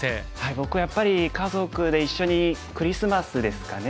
僕はやっぱり家族で一緒にクリスマスですかね。